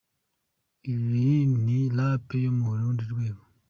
Ibi ni rape yo mu rundi rwego!